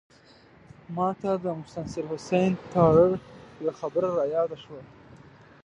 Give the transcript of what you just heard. ماته د مستنصر حسین تارړ یوه خبره رایاده شوه.